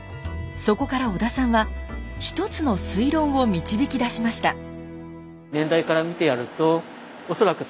そこから小田さんは一つの推論を導き出しました。